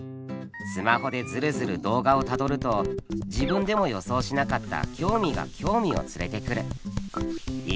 スマホでずるずる動画をたどると自分でも予想しなかった興味が興味を連れてくる。